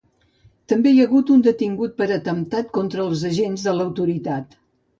També hi ha hagut un detingut per atemptant contra els agents de l'autoritat.